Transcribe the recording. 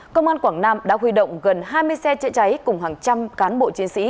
công an quảng nam đã huy động gần hai mươi xe chữa cháy cùng hàng trăm cán bộ chiến sĩ